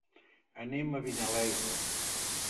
Anem a Vinalesa.